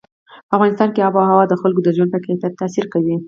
په افغانستان کې آب وهوا د خلکو د ژوند په کیفیت تاثیر کوي.